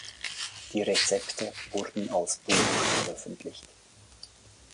Die Rezepte wurden als Buch veröffentlicht.